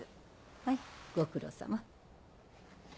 はいご苦労さま。